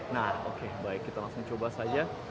nah oke baik kita langsung coba saja